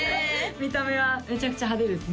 見た目はめちゃくちゃ派手ですね